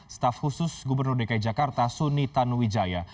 staf khusus gubernur dki jakarta suni tanuwijaya